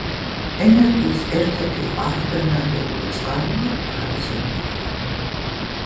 ენერგიის ერთ-ერთი ალტერნატიული წყაროა ქარის ენერგია.